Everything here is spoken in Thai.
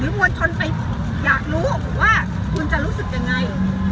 มวลชนไปอยากรู้ว่าคุณจะรู้สึกยังไง